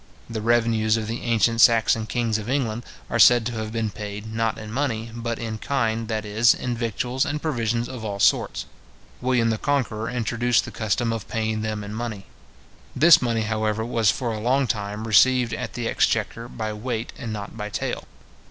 The revenues of the ancient Saxon kings of England are said to have been paid, not in money, but in kind, that is, in victuals and provisions of all sorts. William the Conqueror introduced the custom of paying them in money. This money, however, was for a long time, received at the exchequer, by weight, and not by tale.